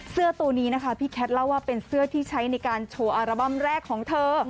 เสื้อตัวนี้นะคะพี่แคทเล่าว่าเป็นเสื้อที่ใช้ในการโชว์อัลบั้มแรกของเธอ